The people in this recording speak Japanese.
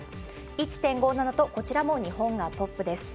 １．５７と、こちらも日本がトップです。